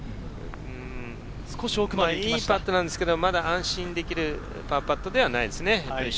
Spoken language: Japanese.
いいパットなんですが、まだ安心できるパーパットではないですね。